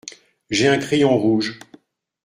J’ai un crayon rouge.